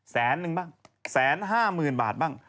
แสนนึงบ้างแสนห้าหมื่นบาทบ้าง